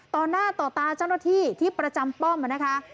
ต่อหน้าต่อตาเจ้าหน้าที่ที่ประจำป้อมนะคะ